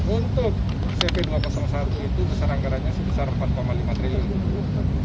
untuk cp dua ratus satu itu besar anggarannya sebesar rp empat lima triliun